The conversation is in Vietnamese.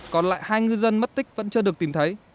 còn lại hai ngư dân mất tích vẫn chưa được tìm thấy